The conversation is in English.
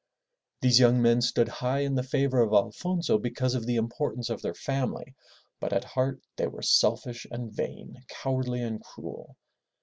These young men stood high in the favor of Alfonso because of the importance of their family, but at heart they were selfish and vain, cowardly and cruel.